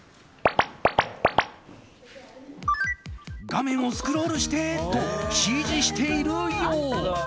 「画面をスクロールして」と指示しているよう！